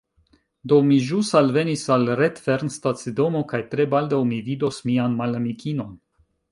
Do, mi ĵus alvenis al Redfern stacidomo kaj tre baldaŭ mi vidos mian malamikinon